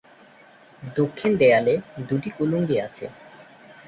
দক্ষিণ দেয়ালে দুটি কুলুঙ্গি আছে।